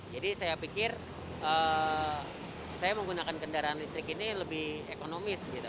jadi saya pikir saya menggunakan kendaraan listrik ini lebih ekonomis gitu